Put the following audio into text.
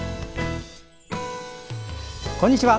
こんにちは。